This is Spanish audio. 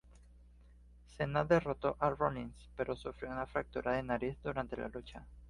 Cena derrotó a Rollins, pero sufrió una fractura de nariz durante la lucha.